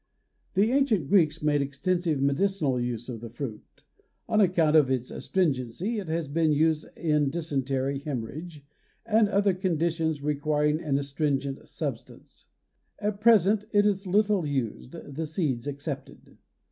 The ancient Greeks made extensive medicinal use of the fruit. On account of its astringency it has been used in dysentery, hemorrhage, and other conditions requiring an astringent substance. At present it is little used, the seeds excepted.